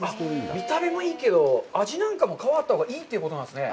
見た目もいいけど、味なんかも皮があったほうがいいということなんですね。